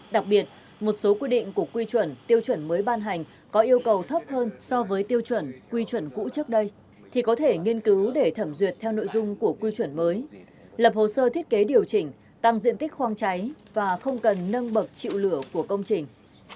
đặc biệt một số quy định của quy chuẩn tiêu chuẩn mới ban hành có yêu cầu thấp hơn so với tiêu chuẩn quy chuẩn cũ trước đây thì có thể nghiên cứu để thẩm duyệt theo nội dung của quy chuẩn mới lập hồ sơ thiết kế điều chỉnh tăng diện tích khoang cháy và không cần nâng bậc triệu lửa của công trình